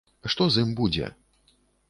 Што з ім будзе?